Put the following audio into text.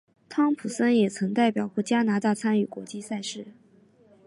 汤普森也曾代表过加拿大参与国际赛事。